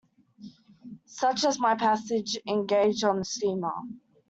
Such is my passage engaged on the steamer.